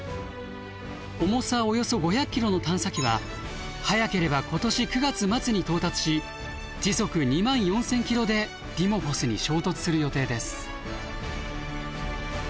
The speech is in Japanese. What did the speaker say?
重さおよそ５００キロの探査機は早ければ今年９月末に到達し時速２万４，０００キロでディモフォスに衝突する予定です。